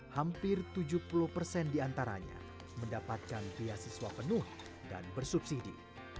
hampir tujuh puluh persen di antaranya mendapatkan biasiswa penuh dan bersubsidi